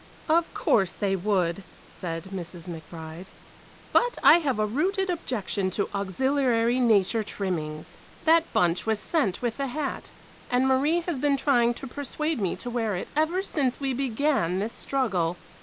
"Of course they would," said Mrs. McBride; "but I have a rooted objection to auxiliary nature trimmings. That bunch was sent with the hat, and Marie has been trying to persuade me to wear it ever since we began this struggle.